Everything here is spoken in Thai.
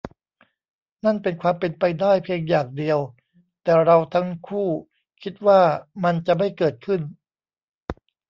นั่นเป็นความเป็นไปได้เพียงอย่างเดียว แต่เราทั้งคู่คิดว่ามันจะไม่เกิดขึ้น